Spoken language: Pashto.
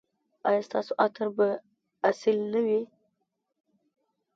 ایا ستاسو عطر به اصیل نه وي؟